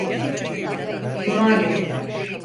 Cuma günü.